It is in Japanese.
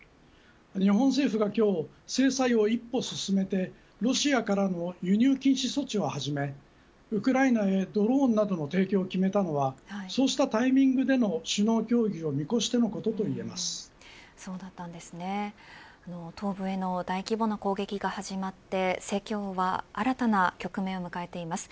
日本政府が今日制裁を一歩進めてロシアからの輸入禁止措置をはじめウクライナへドローンなどの提供を決めたのはそうしたタイミングでの首脳協議を見越してのことと東部への大規模な攻撃が始まって戦況は新たな局面を迎えています。